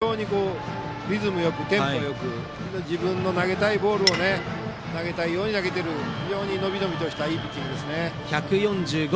日當投手も非常にリズムよくテンポよく自分の投げたいボールを投げたいように投げている非常に伸び伸びとしたいいピッチングです。